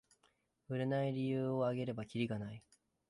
売れない理由をあげればキリがない